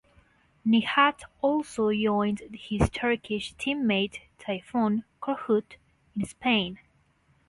Nihat also joined his Turkish team-mate Tayfun Korkut in Spain.